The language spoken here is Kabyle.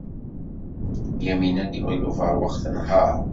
Yamina n Yiɣil Ubeṛwaq tenheṛ.